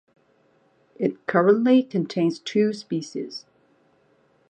It currently contains two species.